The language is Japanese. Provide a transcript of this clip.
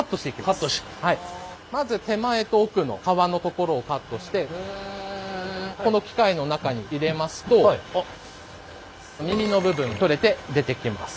まず手前と奥の皮のところをカットしてこの機械の中に入れますと耳の部分取れて出てきます。